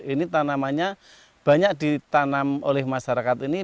ini tanamannya banyak ditanam oleh masyarakat ini